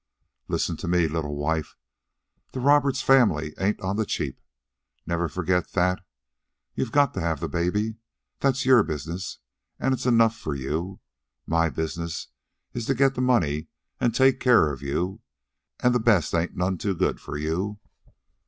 "Listen to me, little wife. The Roberts family ain't on the cheap. Never forget that. You've gotta have the baby. That's your business, an' it's enough for you. My business is to get the money an' take care of you. An' the best ain't none too good for you.